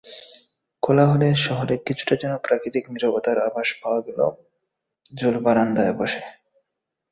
কোলাহলের শহরে কিছুটা যেন প্রাকৃতিক নীরবতার আভাস পাওয়া গেল ঝুলবারান্দায় বসে।